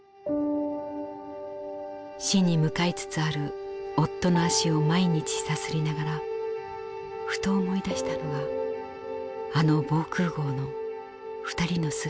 死に向かいつつある夫の足を毎日さすりながらふと思い出したのがあの防空壕の２人の姿でした。